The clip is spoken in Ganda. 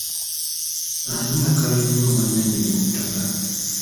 Ani akaayanira obwannannyini ku ttaka?